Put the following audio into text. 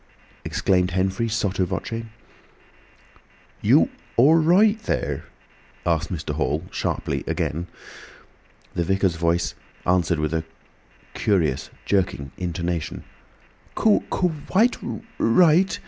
exclaimed Henfrey, sotto voce. "You—all—right thur?" asked Mr. Hall, sharply, again. The Vicar's voice answered with a curious jerking intonation: "Quite ri right.